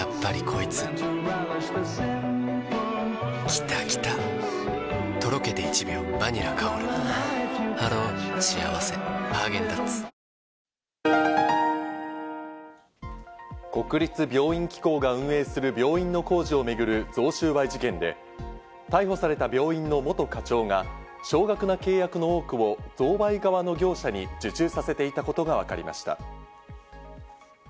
また決算発表で業績の良い企業の銘柄にも国立病院機構が運営する病院の工事を巡る贈収賄事件で、逮捕された病院の元課長が少額な契約の多くを贈賄側の業者に受注させていたことがわかりました。